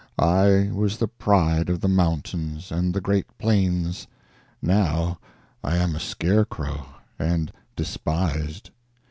I was the pride of the mountains and the Great Plains; now I am a scarecrow and despised.